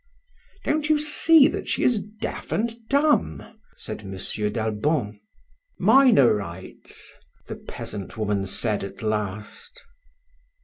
"Don't you see that she is deaf and dumb?" said M. d'Albon. "Minorites!" the peasant woman said at last.